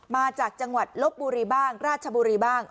มาจากจังหวัดลบบุรีบ้างราชบุรีบ้าง